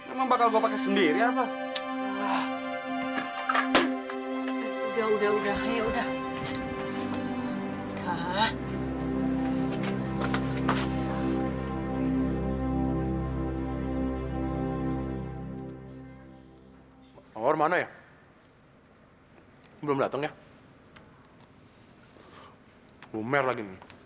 emang bakal gue pakai sendiri apa udah udah udah udah